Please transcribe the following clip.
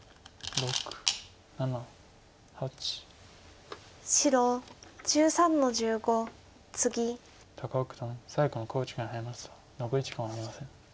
残り時間はありません。